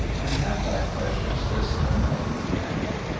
"And have thy pleasures this unlucky end?"